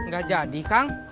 gak jadi kang